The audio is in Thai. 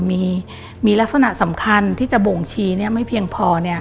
มีลักษณะสำคัญที่จะบ่งชี้ไม่เพียงพอ